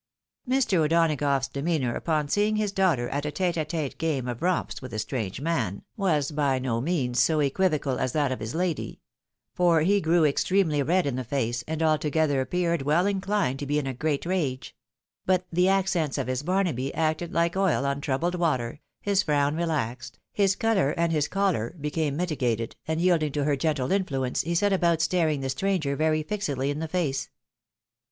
Mr. O'Donagough's demeanour upon seeing his daughter at a tete a tete game of romps with a strange man, was by no '^ ;>^^^^x.v?.r^2^^.^,,. '^/Asi^.^S.^^ ^,.^^,^,,.^,^^'^^.^ A SURPRISE. 243 means so equiyocal as that of his lady ; for he grew extremely red in the face, and altogether appeared weU inolined to be in a great rage ; but the accents of his Barnaby acted like oil on troubled water, his frown relaxed, his colour and his choler became mitigated, and yielding to her gentle influence, he set about staring the stranger very fixedly in the face.